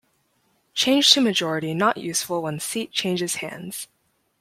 Change to majority not useful when seat changes hands.